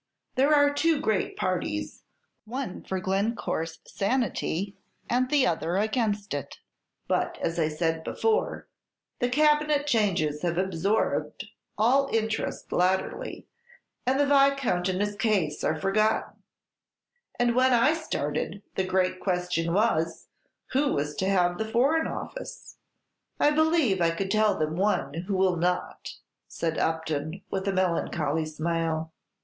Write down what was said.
"There are two great parties, one for Glencore's sanity the other against; but, as I said before, the cabinet changes have absorbed all interest latterly, and the Viscount and his case are forgotten; and when I started, the great question was, who was to have the Foreign Office." "I believe I could tell them one who will not," said Upton, with a melancholy smile.